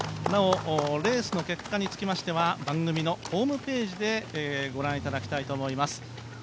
なお、レースの結果につきましては番組のホームページでご覧いただきたいと思います。